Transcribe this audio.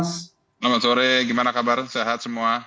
selamat sore gimana kabar sehat semua